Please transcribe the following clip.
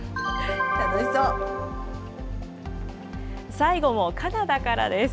最後もカナダからです。